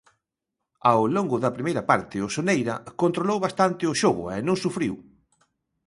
Ao longo da primeira parte, o Soneira controlou bastante o xogo e non sufriu.